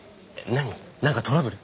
何かトラブル？